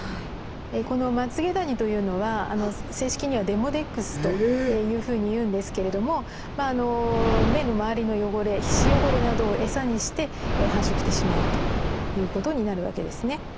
このまつげダニというのは正式にはデモデックスというふうにいうんですけれども目の周りの汚れ皮脂汚れなどを餌にして繁殖してしまうということになるわけですね。